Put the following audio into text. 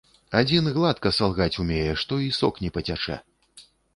Адзін гладка салгаць умее, што і сок не пацячэ.